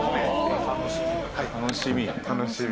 楽しみ。